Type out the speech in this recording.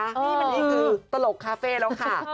นี่คือตลกคาเฟ่แล้วค่ะ